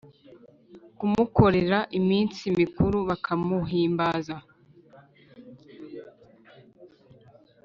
kumukorera iminsi mikuru, bakamuhimbaza